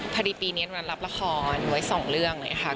พอดีปีนี้วันรับละครไว้สองเรื่องเลยค่ะ